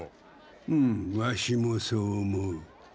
うむわしもそう思う。